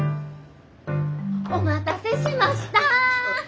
お待たせしました！